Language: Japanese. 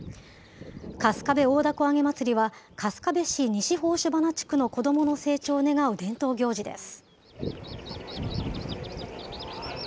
春日部大凧あげ祭りは、春日部市西宝珠花地区の子どもの成長を願う伝統行事です。